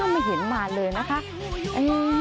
ไม่เห็นมาเลยนะคะ